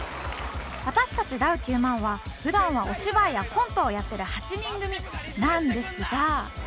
私たちダウ９００００は普段はお芝居やコントをやってる８人組なんですが